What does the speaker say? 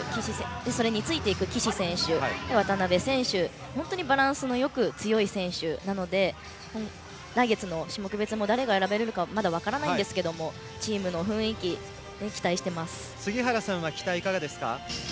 それについていく岸選手渡部選手、本当にバランスよく強い選手なので来月の種目別も誰が選ばれるかまだ分からないですが杉原さんは期待、いかがですか。